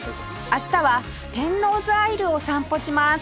明日は天王洲アイルを散歩します